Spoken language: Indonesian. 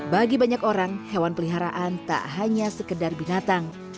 bagi banyak orang hewan peliharaan tak hanya sekedar binatang